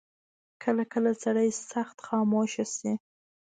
کله کله سړی سخت خاموشه شي.